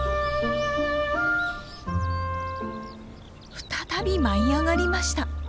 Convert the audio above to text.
再び舞い上がりました！